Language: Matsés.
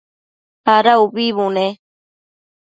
Ada ubi bune?